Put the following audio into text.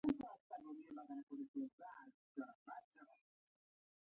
ژورې سرچینې د افغانستان د جغرافیوي تنوع یو څرګند او ښه مثال دی.